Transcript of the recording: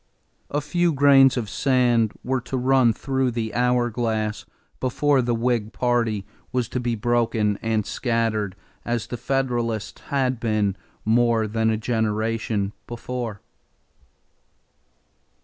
A few grains of sand were to run through the hour glass before the Whig party was to be broken and scattered as the Federalists had been more than a generation before.